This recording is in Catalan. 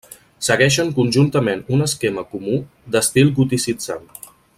Segueixen conjuntament un esquema comú d'estil goticitzant.